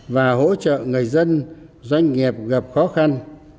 và hỗ trợ người dân doanh nghiệp gặp khó khăn